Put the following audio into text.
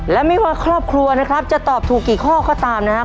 และไม่ว่าครอบครัวนะครับจะตอบถูกกี่ข้อก็ตามนะครับ